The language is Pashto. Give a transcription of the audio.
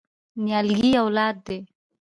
نیالګی اولاد دی؟